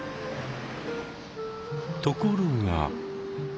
ところが。